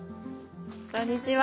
こんにちは。